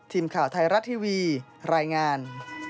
ทีมข่าวไทยรัฐทีวีรายงาน